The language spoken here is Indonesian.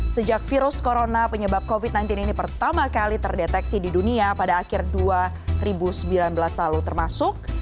sejak virus corona penyebab covid sembilan belas ini pertama kali terdeteksi di dunia pada akhir dua ribu sembilan belas lalu termasuk